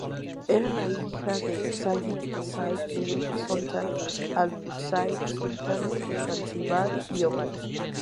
Era la hija de Sayyid Said bin Sultan Al-Busaid, Sultán de Zanzíbar y Omán.